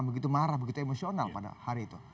begitu marah begitu emosional pada hari itu